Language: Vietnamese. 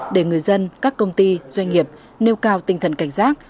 để người dân các công ty doanh nghiệp nêu cao tinh thần cảnh giác